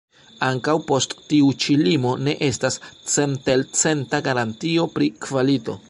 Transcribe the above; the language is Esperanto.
Ankaŭ post tiu ĉi limo ne estas centelcenta garantio pri kvalito.